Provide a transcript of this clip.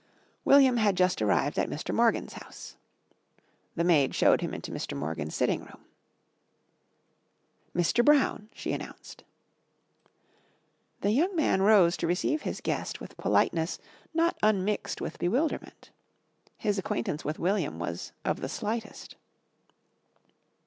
William had just arrived at Mr. Morgan's house. The maid showed him into Mr. Morgan's sitting room. "Mr. Brown," she announced. The young man rose to receive his guest with politeness not unmixed with bewilderment. His acquaintance with William was of the slightest.